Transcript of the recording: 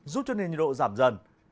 giúp cho nền nhiệt độ giảm dần